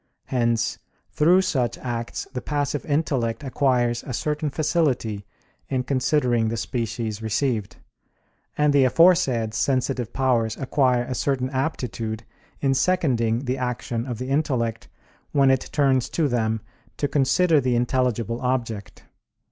Hence through such acts the passive intellect acquires a certain facility in considering the species received: and the aforesaid sensitive powers acquire a certain aptitude in seconding the action of the intellect when it turns to them to consider the intelligible object.